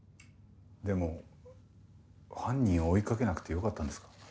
でも犯人を追いかけなくてよかったんですか？